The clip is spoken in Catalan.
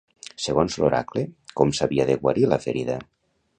Segons l'oracle, com s'havia de guarir la ferida?